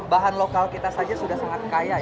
bahan lokal kita saja sudah sangat kaya